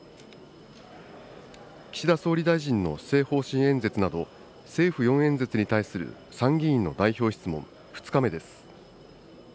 岸田総理大臣の施政方針演説など、政府４演説に対する参議院の代表質問、２日目です。